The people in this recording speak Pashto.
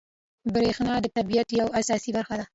بریښنا د طبیعت یوه اساسي برخه ده